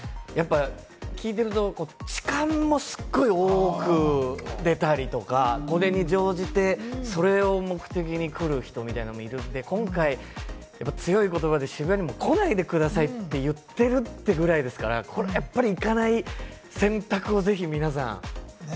やっぱり聞いてると、痴漢も凄い多く出たりとか、これに乗じて、それを目的に来る人みたいなのがいるんで、今回、強い言葉で取材でも来ないでくださいって言ってるぐらいですから、これは行かない選択をぜひ皆さん。